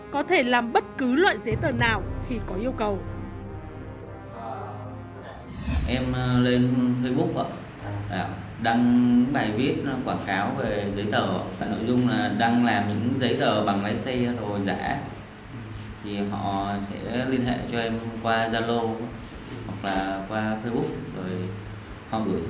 có thể làm bất cứ loại giấy tờ nào khi có yêu cầu